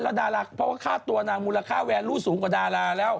แล้วดาราเพราะว่าค่าตัวนางมูลค่าแวนรูดสูงกว่าดาราแล้ว